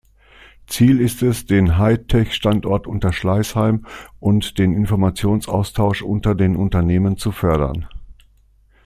Ziel ist es, den High-Tech-Standort Unterschleißheim und den Informationsaustausch unter den Unternehmen zu fördern.